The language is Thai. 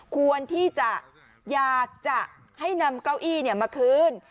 ควรที่จะอยากจะให้นำเก้าอี้มาคืน